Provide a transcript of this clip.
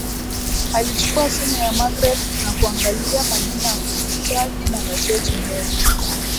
Alichukuwa simu ya Magreth na kuangalia majina na kukuta jina la George mlevi